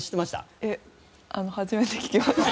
いえ初めて聞きました。